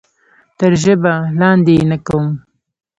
تر ژبه لاندې یې نه کوم.